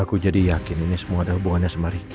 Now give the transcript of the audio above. aku jadi yakin ini semua ada hubungannya sama richar